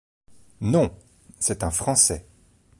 Non! c’est un Français !